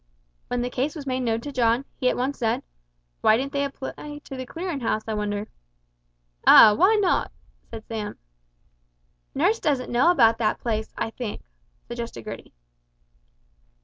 When the case was made known to John, he at once said, "Why didn't they apply to the Clearin' House, I wonder?" "Ah, why not?" said Sam. "Nurse doesn't know about that place, I think," suggested Gertie.